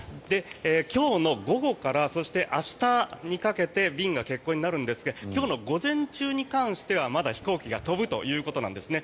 今日の午後からそして明日にかけて便が欠航になるんですが今日の午前中に関してはまだ飛行機が飛ぶということなんですね。